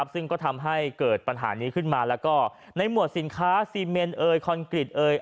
ซึ่งก็ทำให้เกิดปัญหานี้ขึ้นมาแล้วก็ในหมวดสินค้าซีเมนเอยคอนกรีตเอย